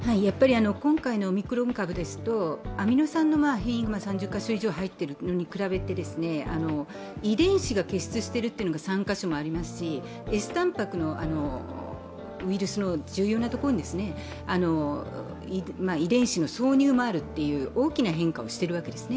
今回のオミクロン株ですと、アミノ酸の変異が３０カ所入っているのに対して遺伝子が突出しているのが３カ所ありますし、Ｓたんぱくのウイルスの重要なところに遺伝子の挿入もあるという大きな変化をしているわけですね。